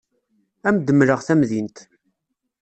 Ad am-d-mleɣ tamdint.